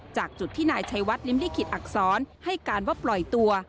จากจุดที่นายชัยวัดลิ้มลิขิตอักษรให้การว่าปล่อยตัว